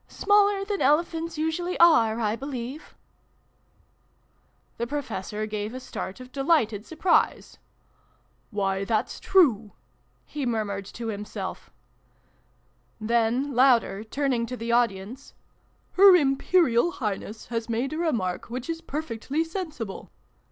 Smaller than elephants usually are, I believe ?" The Professor gave a start of delighted surprise. " Why, that's true /" he murmured to himself. Then louder, turning to the audience, xxi] THE PROFESSOR'S LECTURE. 337 " Her Imperial Highness has made a remark which is perfectly sensible